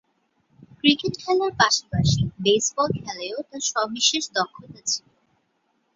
Cricket খেলার পাশাপাশি baseball খেলায়ও তার সবিশেষ দক্ষতা ছিল।